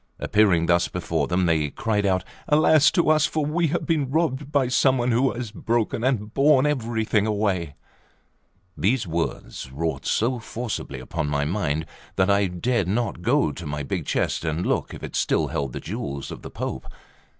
Appearing thus before them, they cried out: "Alas to us! for we have been robbed by some one, who has broken and borne everything away!" These words wrought so forcibly upon my mind that I dared not go to my big chest and look if it still held the jewels of the Pope.